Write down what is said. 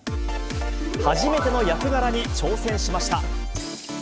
初めての役柄に挑戦しました。